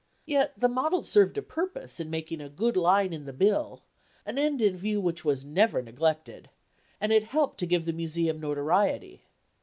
Yet the model served a purpose in making "a good line in the bill" an end in view which was never neglected and it helped to give the Museum notoriety.